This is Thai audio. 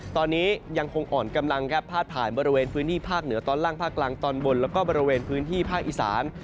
ตอนนี้ยังคงอ่อนกำลังครับพาดผ่านบริเวณพื้นที่ภาคเหนือตอนล่างภาคกลางตอนบนแล้วก็บริเวณพื้นที่ภาคอีสาน